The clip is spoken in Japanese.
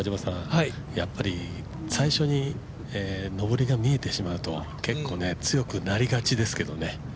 最初に上りが見えてしまうと結構強くなりがちですけどね。